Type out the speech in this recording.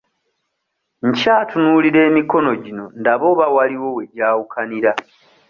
Nkyatunuulira emikono gino ndabe oba waliwo we gyawukanira.